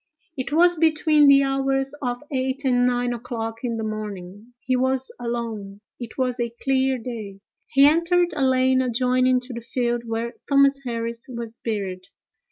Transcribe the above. It was between the hours of eight and nine o'clock in the morning. He was alone: it was a clear day. He entered a lane adjoining to the field where Thomas Harris was buried.